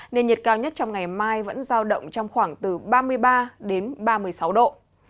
nên nhiệt cao nhất trong ngày mai vẫn giao động trong khoảng từ ba mươi ba đến ba mươi sáu độ